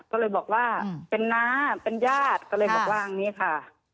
ก็เลยบอกว่าเป็นน้าเป็นญาติก็เลยบอกว่าอย่างนี้ค่ะ